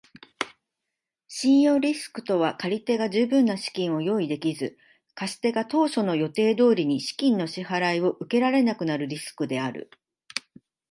信用リスクとは借り手が十分な資金を用意できず、貸し手が当初の予定通りに資金の支払を受けられなくなるリスクである。